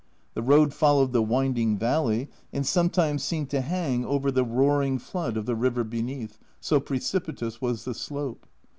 The road followed the winding valley, and sometimes seemed to hang over the 2O2 A Journal from Japan roaring flood of the river beneath, so precipitous was the slope.